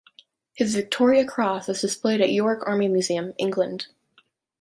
His Victoria Cross is displayed at York Army Museum, England.